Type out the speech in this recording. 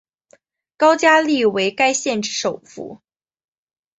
高加力为该县之首府。